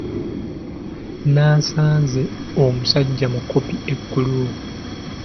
Nasanze omusajja mukopi eggulo!